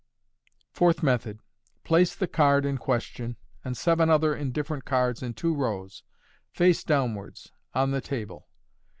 Fourth Method. — Place the card in question and seven other in different cards in two rows, face downwards, on the table.